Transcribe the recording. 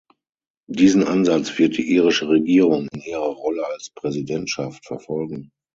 Diesen Ansatz wird die irische Regierung in ihrer Rolle als Präsidentschaft verfolgen.